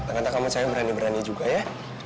ternyata kamu saya berani berani juga ya